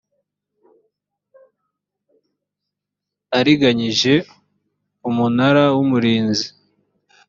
ariganyije umunara w umurinzi